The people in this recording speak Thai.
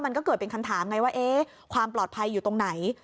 มันก็เกิดเป็นคำถามไงว่าความปลอดภัยอยู่ตรงไหน